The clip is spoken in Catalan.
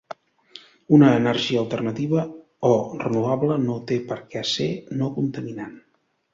Una energia alternativa o renovable no té per què ser no contaminant.